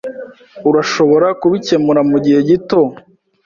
Urashobora kubikemura mugihe gito?